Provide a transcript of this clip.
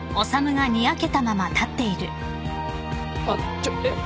あっちょっえっ？